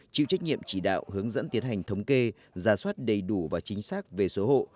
chịu trách nhiệm chỉ đạo hướng dẫn tiến hành thống kê ra soát đầy đủ và chính xác về số hộ